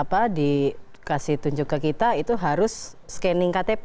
apa dikasih tunjuk ke kita itu harus scanning ktp